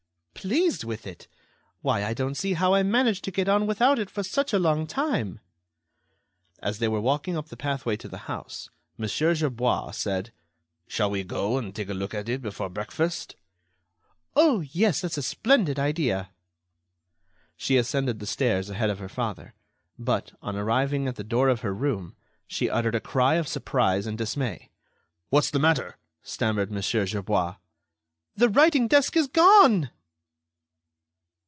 "Pleased with it! Why, I don't see how I managed to get on without it for such a long time." As they were walking up the pathway to the house, Mon. Gerbois said: "Shall we go and take a look at it before breakfast?" "Oh! yes, that's a splendid idea!" She ascended the stairs ahead of her father, but, on arriving at the door of her room, she uttered a cry of surprise and dismay. "What's the matter?" stammered Mon. Gerbois. "The writing desk is gone!"